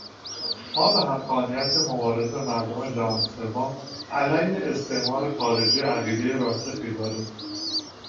ما به حقانیت مبارزهٔ مردم جهان سوم علیه استعمار خارجی عقیدهٔ راسخی داریم.